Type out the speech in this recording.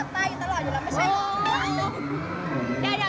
ไม่ต้องหลับตาตลอดอยู่แล้วไม่ใช่